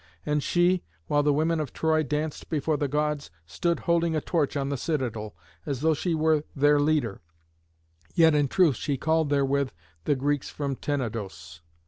And she, while the women of Troy danced before the Gods, stood holding a torch on the citadel, as though she were their leader, yet in truth she called therewith the Greeks from Tenedos.